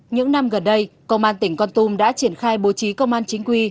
những năm gần đây công an tỉnh con tum đã triển khai bố trí công an chính quy